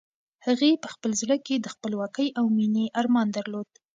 هغې په خپل زړه کې د خپلواکۍ او مېنې ارمان درلود.